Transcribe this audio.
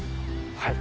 はい。